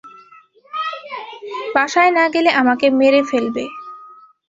বাসায় না গেলে আমাকে মেরে ফেলবে।